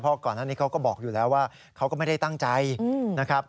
เพราะก่อนหน้านี้เขาก็บอกอยู่แล้วว่าเขาก็ไม่ได้ตั้งใจนะครับ